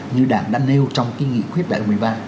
như đảng đã nêu trong cái nghị quyết đại hội một mươi ba